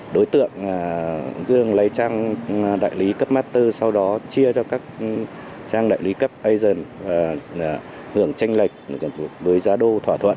đối tượng dương lấy trang đại lý cấp master sau đó chia cho các trang đại lý cấp asian hưởng tranh lệch với giá đô thỏa thuận